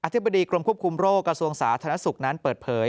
ธิบดีกรมควบคุมโรคกระทรวงสาธารณสุขนั้นเปิดเผย